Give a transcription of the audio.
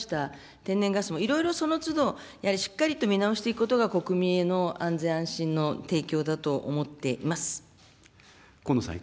天然ガスも、いろいろそのつど、やはりしっかりと見直していくことが、国民への安全安心の提供だと思っています。